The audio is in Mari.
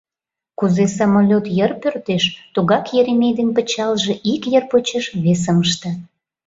Кузе самолёт йыр пӧрдеш, тугак Еремей ден пычалже ик йыр почеш весым ыштат.